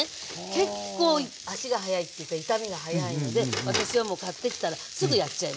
結構足が早いっていうか傷みが早いので私はもう買ってきたらすぐやっちゃいます。